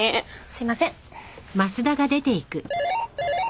すいません。